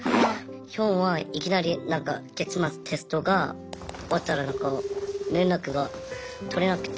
ヒョンはいきなり月末テストが終わったら連絡が取れなくて。